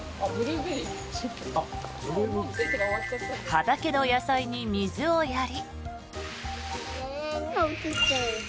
畑の野菜に水をやり。